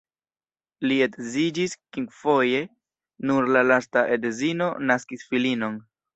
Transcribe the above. Li edziĝis kvinfoje, nur la lasta edzino naskis filinon.